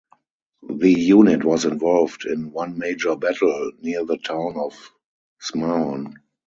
The unit was involved in one major battle, near the town of Smarhon.